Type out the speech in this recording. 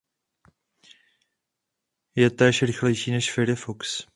Je též rychlejší než Firefox.